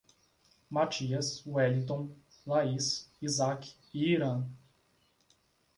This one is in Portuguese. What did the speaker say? Matias, Wellington, Laís, Isac e Iran